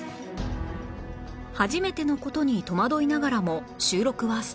初めての事に戸惑いながらも収録はスタート